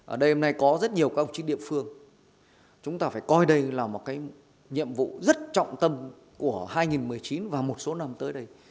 ở đây hôm nay có rất nhiều các ông chí địa phương chúng ta phải coi đây là một cái nhiệm vụ rất trọng tâm của hai nghìn một mươi chín và một số năm tới đây